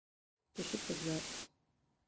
The ship was wrecked.